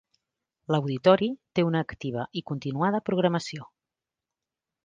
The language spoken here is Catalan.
L'Auditori té una activa i continuada programació.